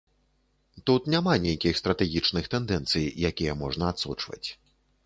Тут няма нейкіх стратэгічных тэндэнцый, якія можна адсочваць.